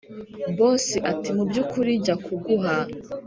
boss ati”mubyukuri jya kuguha